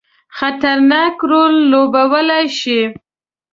خطرناک رول لوبولای شي.